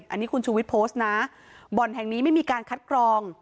อันนี้คุณชูวิทย์โพสต์นะบ่อนแห่งนี้ไม่มีการคัดกรอง